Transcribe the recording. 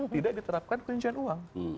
tidak diterapkan penyelenggaraan uang